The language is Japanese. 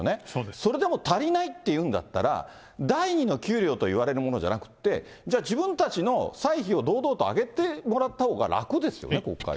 それでも足りないっていうんだったら、第２の給料と言われるものじゃなくて、じゃあ、自分たちの歳費を堂々とあげてもらったほうが楽ですね、国会が。